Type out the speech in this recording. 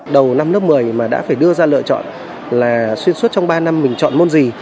đầu năm lớp một mươi mà đã phải đưa ra lựa chọn là xuyên suốt trong ba năm mình chọn môn gì